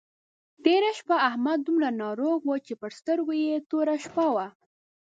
تېره شپه احمد دومره ناروغ وو چې پر سترګو يې توره شپه وه.